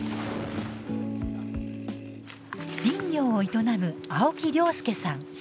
林業を営む青木亮輔さん。